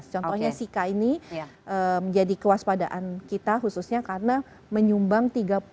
contohnya sika ini menjadi kewaspadaan kita khususnya karena menyumbang tiga puluh